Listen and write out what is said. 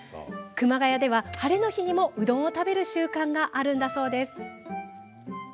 熊谷ではハレの日にも、うどんを食べる習慣があるんだそうです。